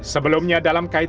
sebelumnya dalam kaitan